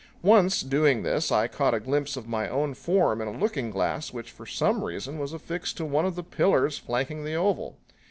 Once, doing this, I caught a glimpse of my own form in a looking glass which for some reason was affixed to one of the pillars flanking the oval.